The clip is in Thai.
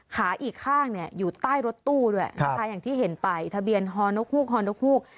อีกข้างเนี่ยอยู่ใต้รถตู้ด้วยนะคะอย่างที่เห็นไปทะเบียนฮอนกฮูกฮอนกฮูก